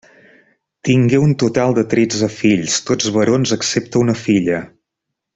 Tingué un total de tretze fills, tots barons excepte una filla.